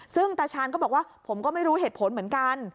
ซึ่งตาชาญก็บอกว่าผมก็ไม่รู้เหตุผลเหมือนกัน